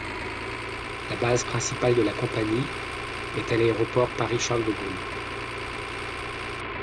La base principale de la compagnie est à l'aéroport Paris-Charles-de-Gaulle.